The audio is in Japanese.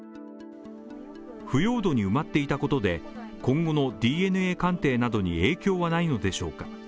腐葉土に埋まっていたことで、今後のＤＮＡ鑑定などに影響はないのでしょうか？